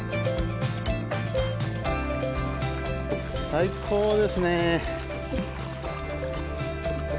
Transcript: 最高ですね。